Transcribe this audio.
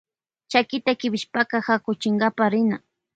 Chakita kiwishpaka kakuchikpama rina.